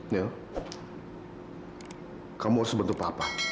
niel kamu harus bantu papa